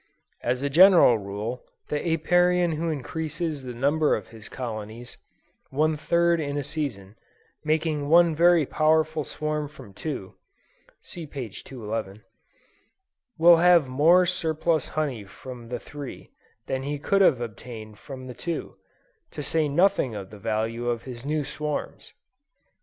As a general rule, the Apiarian who increases the number of his colonies, one third in a season, making one very powerful swarm from two, (See p. 211,) will have more surplus honey from the three, than he could have obtained from the two, to say nothing of the value of his new swarms.